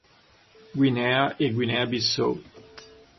Guinea e Guinea-Bissau.